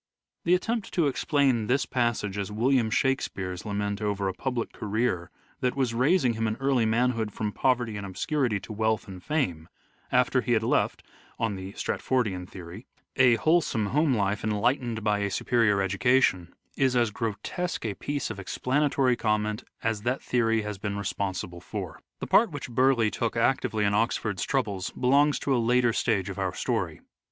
The attempt to explain this passage as William Shakspere's lament over a public career that was raising him, in early manhood, from poverty and obscurity to wealth and fame, after he had left — on the Strat fordian theory — a wholesome home life enlightened by 246 " SHAKESPEARE " IDENTIFIED a superiorjTeducation, is as grotesque a piece of ex planatory comment as that theory has been responsible for. Oxford and The part which Burleigh took actively in Oxford's yUCCIl 1111 1 f y v Elizabeth, troubles belongs to a later stage of our story.